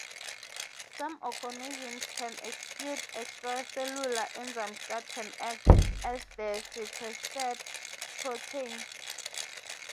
Some organisms can exude extracellular enzymes that can act on the sequestered proteins.